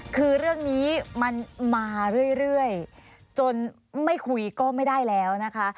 คือเรื่องนี้มันมาเรื่อยจนไม่คุยก็ไม่ได้แล้วนะคะ